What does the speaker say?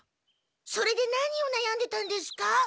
それで何をなやんでたんですか？